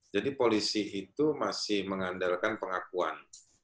jadi polisi itu masih mengandalkan pengakuan